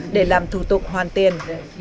để làm thủ tục hoàn tiền